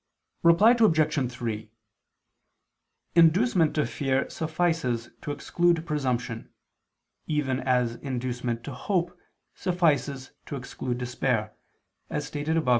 Reply Obj. 3: Inducement to fear suffices to exclude presumption, even as inducement to hope suffices to exclude despair, as stated above (A.